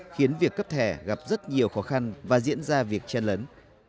khiến việc cấp thẻ gặp rất nhiều khó khăn và diễn ra việc chen lấn